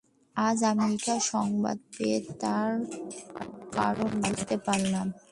আজ আমেরিকার সংবাদ পেয়ে তার কারণ বুঝতে পারলাম।